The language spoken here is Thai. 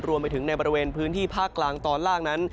รวมไปถึงในบริเวณพื้นที่ภาคกลางตอนล่างนั้น